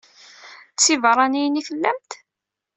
D tibeṛṛaniyin i tellamt?